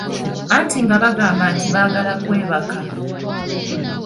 Anti nga bagamba nti baagala kwebaka.